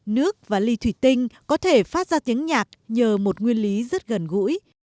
nước và ly thủy tinh có thể phát ra tiếng nhạc nhờ một nguyên lý rất gần gũi